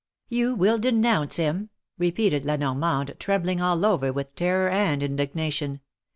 ^'Yoii will denounce him !" repeated La Normando, trembling all over with terror and indignation.